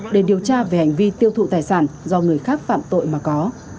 để điều tra về hành vi tiêu thụ tài sản do người khác phạm tội mà có